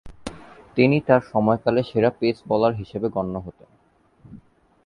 তিনি তার সময়কালে সেরা পেস বোলার হিসেবে গণ্য হতেন।